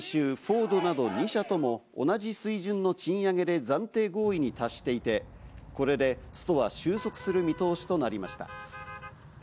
先週、フォードなど２社とも同じ水準の賃上げで暫定合意に達していて、これでストは収束する見通しとなりました。